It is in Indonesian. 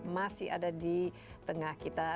masih ada di tengah kita